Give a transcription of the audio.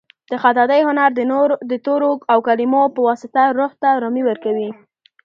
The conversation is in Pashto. د خطاطۍ هنر د تورو او کلیمو په واسطه روح ته ارامي ورکوي.